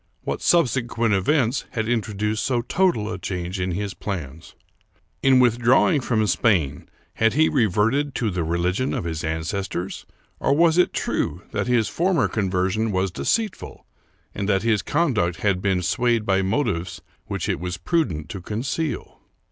What subsequent events had introduced so total a change in his plans ? In withdrawing from Spain, had he reverted to the religion of his ancestors ? or was it true that his f or 241 American Mystery Stories mer conversion was deceitful, and that his conduct had been swayed by motives which it was prudent to conceal?